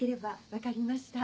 分かりました。